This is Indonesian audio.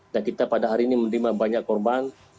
dan kita pada hari ini menerima banyak korban